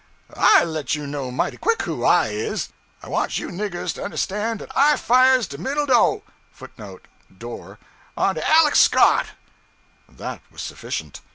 I let you know mighty quick who I is! I want you niggers to understan' dat I fires de middle do'{footnote [Door]} on de "Aleck Scott!"' That was sufficient.